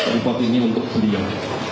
report ini untuk beliau